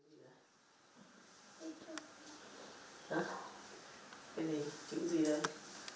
cái gì chữ gì đây